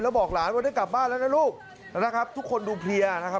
แล้วบอกหลานว่าได้กลับบ้านแล้วนะลูกนะครับทุกคนดูเพลียนะครับ